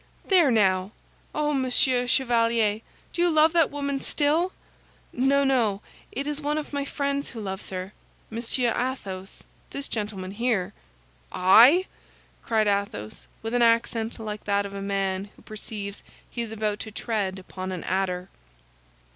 "There, now! Oh, Monsieur Chevalier, do you love that woman still?" "No, no; it is one of my friends who loves her—Monsieur Athos, this gentleman here." "I?" cried Athos, with an accent like that of a man who perceives he is about to tread upon an adder.